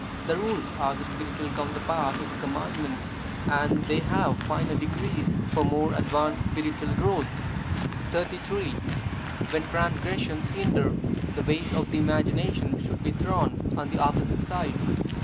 The Rules are the spiritual counterpart of the Commandments, and they have finer degrees, for more advanced spiritual growth. 33. When transgressions hinder, the weight of the imagination should be thrown' on the opposite side.